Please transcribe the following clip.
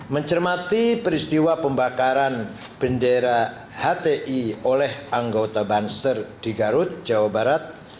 mencermati peristiwa pembakaran bendera hti oleh anggota banser di garut jawa barat